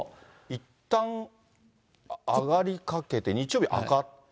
いったん上がりかけて、日曜日、上がって。